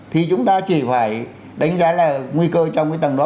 thì chúng ta chỉ phải đánh giá là nguy cơ trong cái tầng đó